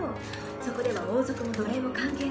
そこでは王族も奴隷も関係ない。